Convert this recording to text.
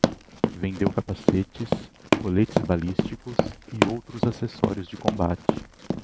Vendeu capacetes, coletes balísticos e outros acessórios de combate